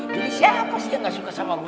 jadi siapa sih yang gak suka sama gue